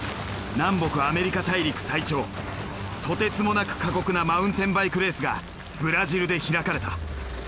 南北アメリカ大陸最長とてつもなく過酷なマウンテンバイクレースがブラジルで開かれた。